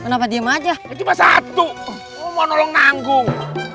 kenapa diem aja cuma satu mau nolong nanggung